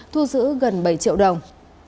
thu giữ gần bảy triệu đồng